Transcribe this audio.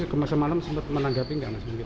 semasa malam sempet menanggapi enggak mas munggit